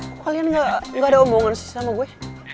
aku kalian gak ada omongan sih sama gue